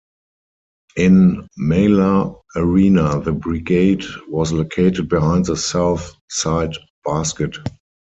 In Malha Arena, the Brigade was located behind the south side basket.